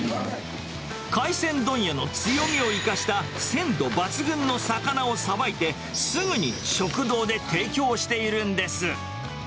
海鮮問屋の強みを生かした鮮度抜群の魚をさばいて、すぐに食堂で提供しているんです。